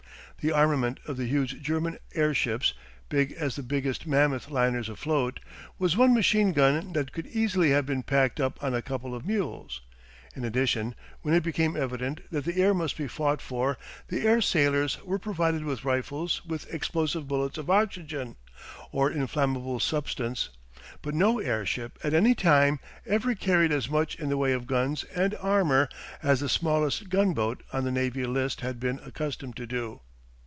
The armament of the huge German airships, big as the biggest mammoth liners afloat, was one machine gun that could easily have been packed up on a couple of mules. In addition, when it became evident that the air must be fought for, the air sailors were provided with rifles with explosive bullets of oxygen or inflammable substance, but no airship at any time ever carried as much in the way of guns and armour as the smallest gunboat on the navy list had been accustomed to do.